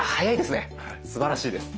すばらしいです。